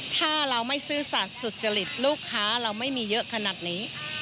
ถ้าเราไม่ซื่อสัตว์สุจริตลูกค้าเราไม่มีเยอะขนาดนี้